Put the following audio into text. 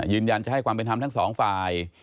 ยืนยันจะให้ความเป็นธรรมทั้งสองฝ่าย